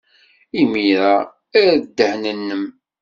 Imir-a, err ddehn-nnem.